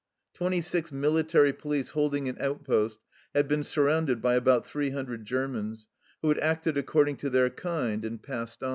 Twenty six military police holding an outpost had been surrounded by about three hundred Germans, who had acted according to their kind and passed on.